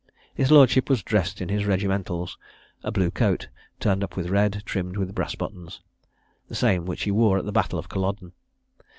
His lordship was dressed in his regimentals, (a blue coat turned up with red, trimmed with brass buttons,) the same which he wore at the battle of Culloden.